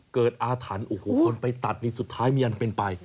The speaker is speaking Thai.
อาถรรพ์โอ้โหคนไปตัดนี่สุดท้ายมีอันเป็นไป